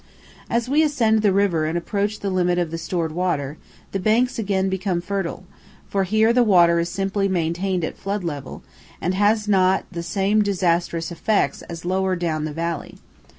] As we ascend the river and approach the limit of the stored water, the banks again become fertile, for here the water is simply maintained at flood level, and has not had the same disastrous effect as lower down the valley.